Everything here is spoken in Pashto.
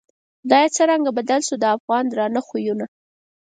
خدایه څرنگه بدل شوو، د افغان درانه خویونه